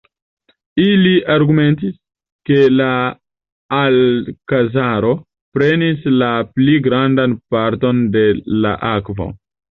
Ili argumentis, ke la Alkazaro prenis la pli grandan parton de la akvo.